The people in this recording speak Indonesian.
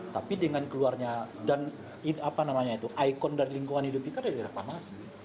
tapi dengan keluarnya dan apa namanya itu ikon dari lingkungan hidup kita adalah reklamasi